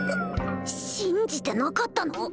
信じてなかったの？